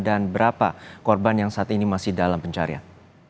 dan berapa korban yang saat ini masih dalam pencarian